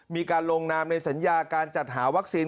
มีการลงนามในสัญญาการจัดหาวัคซีน